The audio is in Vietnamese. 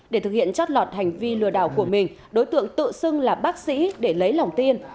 để thực hiện chót lọt hành vi lừa đảo của mình đối tượng tự xưng là bác sĩ để lấy lòng tin